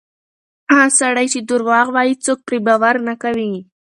هغه سړی چې درواغ وایي، څوک پرې باور نه کوي.